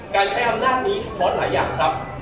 การใช้อำนาจนี้สะท้อนหลายอย่างครับ